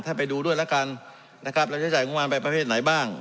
ถ้าไปดูด้วยละกันนะครับเราใช้จ่ายงานไปประเภทไหนบ้าง